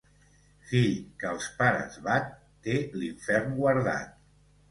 Fill que els pares bat, té l'infern guardat.